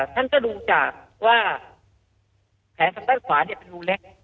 ท่านก็ดูจากว่าแผลทางด้านขวาเป็นรูเล็ก